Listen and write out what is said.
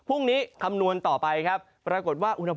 วันนี้เหรอคุณ